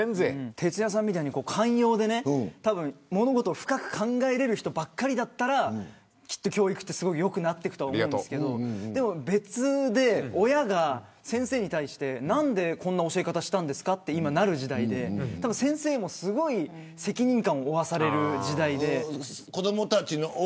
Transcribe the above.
鉄矢さんみたいに寛容で物事を深く考えられる人ばかりだったら教育は良くなっていくと思うんですけどそれとは別で、親が先生に対してなんでこんな教え方したんですかとなる時代で先生も責任感を負わされる時代で。